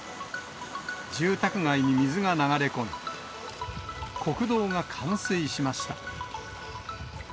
住宅街に水が流れ込み、国道が冠水しました。